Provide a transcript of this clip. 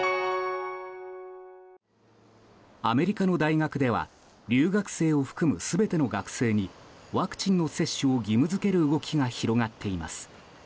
アメリカの大学では留学生を含む全ての学生にワクチンの接種を義務付ける動きが広がっています。